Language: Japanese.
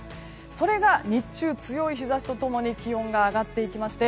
それが日中、強い日差しと共に気温が上がっていきまして